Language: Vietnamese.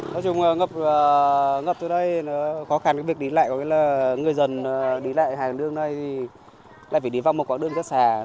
nói chung là ngập từ đây khó khăn việc đi lại người dân đi lại hàng đường này lại phải đi vòng một quãng đường rất xa